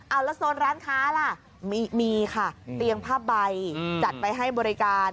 เอาแล้วโซนร้านค้าล่ะมีค่ะเตียงผ้าใบจัดไว้ให้บริการ